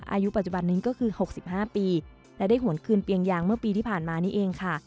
อายุปัจจุบันนี้ก็คือ๖๕ปีและได้หวนคืนเปียงยางเมื่อปีที่ผ่านมานี่เองค่ะ